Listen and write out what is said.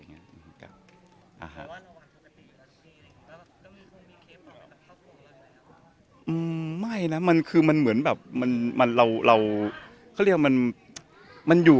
ใช่ครับเขาก็ไปกันแล้วพี่ก็ไปรับมายู